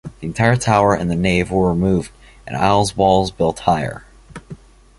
The entire tower and the nave were removed and aisles walls built higher.